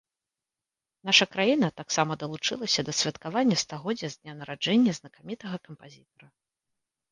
Наша краіна таксама далучылася да святкавання стагоддзя з дня нараджэння знакамітага кампазітара.